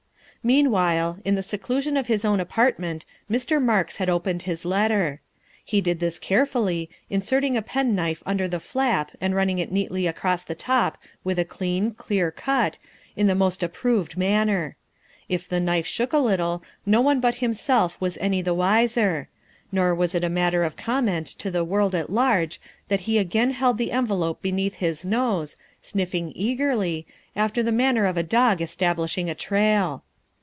Meanwhile, in the seclusion of his own apartment Mr. Marks had opened his letter. He did this carefully, inserting a penknife under the flap and running it neatly across the top with a clean, clear cut, in the most approved manner. If the knife shook a little, no one but himself was any the wiser ; nor was it a matter of comment to the world at large that he again held the envelope beneath his nose, sniffing eagerly, after the manner of a dog establishing a trail.